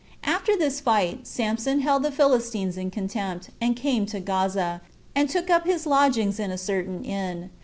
10. After this fight Samson held the Philistines in contempt, and came to Gaza, and took up his lodgings in a certain inn.